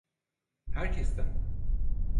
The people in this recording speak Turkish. Herkesten…